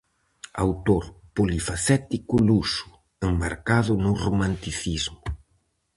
Autor polifacético luso, enmarcado no romanticismo.